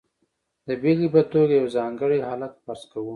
د بېلګې په توګه یو ځانګړی حالت فرض کوو.